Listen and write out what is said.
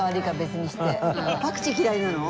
パクチー嫌いなの？